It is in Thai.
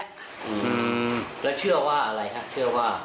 อืมแล้วเชื่อว่าอะไรฮะเชื่อว่า